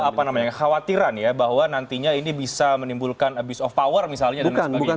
apa namanya khawatiran ya bahwa nantinya ini bisa menimbulkan abyss of power misalnya bukan bukan